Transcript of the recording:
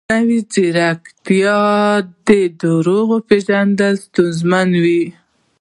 مصنوعي ځیرکتیا د دروغو پېژندل ستونزمنوي.